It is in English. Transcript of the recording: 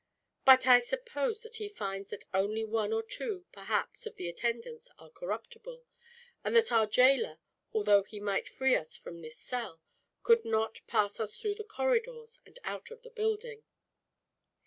But I suppose that he finds that only one or two, perhaps, of the attendants are corruptible; and that our jailor, although he might free us from this cell, could not pass us through the corridors and out of the building."